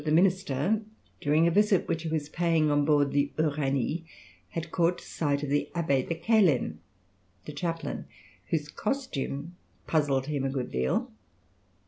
Kraimokou, the minister, during a visit which he was paying on board the Uranie, had caught sight of the Abbé de Quelen, the chaplain, whose costume puzzled him a good deal.